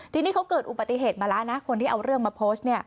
ทีนี้เขาเกิดอุบัติเหตุมาแล้วนะคนที่เอาเรื่องมาโพสต์เนี่ย